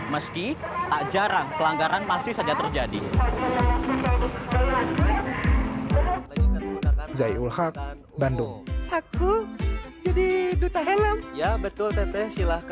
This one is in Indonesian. meski tak jarang pelanggaran masih saja terjadi